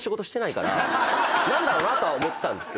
何だろうなとは思ってたんですけど。